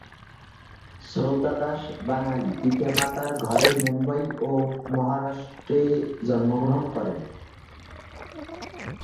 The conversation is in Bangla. শ্রদ্ধা দাস বাঙ্গালি পিতা-মাতার ঘরে মুম্বাই, মহারাষ্ট্র-এ জন্মগ্রহণ করেন।